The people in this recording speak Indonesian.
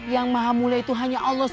yang maha mulia itu hanya allah sw